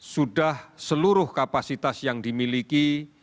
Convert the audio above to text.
sudah seluruh kapasitas yang dimiliki